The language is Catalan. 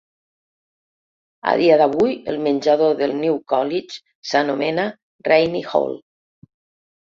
A dia d'avui, el menjador del New College s'anomena Rainy Hall.